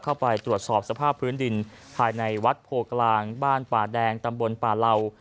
เข้าไปตรวจสอบสภาพพื้นดินภายในวัดโพกลางบ้านป่าแดงตำบลป่าเหล่า